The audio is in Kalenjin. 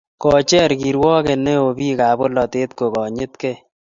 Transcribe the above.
kocher kirwoket neoo biikab bolatet kokonyitgei